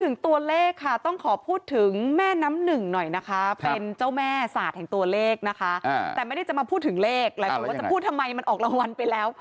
ถึงตัวเลขค่ะต้องขอพูดถึงแม่น้ำหนึ่งหน่อยนะคะเป็นเจ้าแม่ศาสตร์แห่งตัวเลขนะคะแต่ไม่ได้จะมาพูดถึงเลขหลายคนว่าจะพูดทำไมมันออกรางวัลไปแล้ว